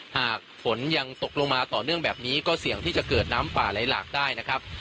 หากฝนยังตกลงมาต่อเนื่องแบบนี้ก็เสี่ยงที่จะเกิดน้ำป่าไหลหลากได้นะครับ